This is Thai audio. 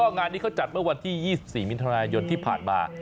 งานนี้เขาจัดเมื่อวันที่๒๔มิถุนายนที่ผ่านมา